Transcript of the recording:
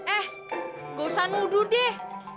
eh gak usah nuduh deh